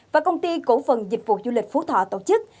và công ty cổ phần dịch vụ du lịch phú thọ tổ chức